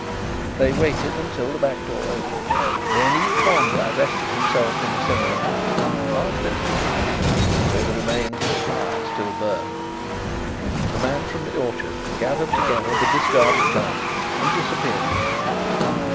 They waited until the back door opened, then each one divested himself in a similar manner and passed into the kitchen, where the remains of a fire still burned. The man from the orchard gathered together the discarded garments and disappeared again.